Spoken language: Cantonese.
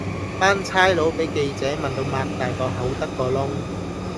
班差佬比記者問到擘大個口得個窿